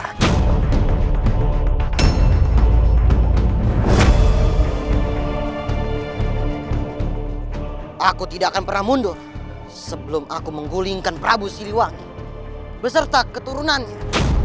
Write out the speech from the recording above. aku tidak akan pernah mundur sebelum aku menggulingkan prabu siliwangi beserta keturunannya